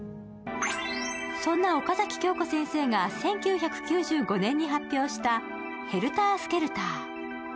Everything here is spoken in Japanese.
そんな岡崎京子先生が１９９５年に発表した「ヘルタースケルター」。